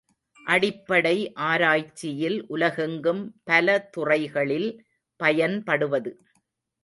அடிப்படை ஆராய்ச்சியில் உலகெங்கும் பல துறைகளில் பயன்படுவது.